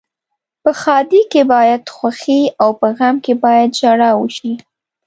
په ښادۍ کې باید خوښي او په غم کې باید ژاړا وشي.